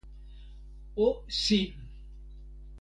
o sin!